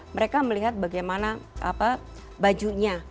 mereka melihat bagaimana bajunya